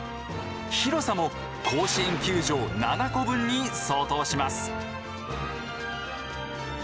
広さも甲子園球場７個分に相当します。